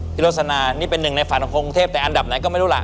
โรสนานี่เป็นหนึ่งในฝันของกรุงเทพแต่อันดับไหนก็ไม่รู้ล่ะ